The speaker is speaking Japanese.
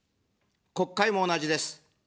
国会も同じです。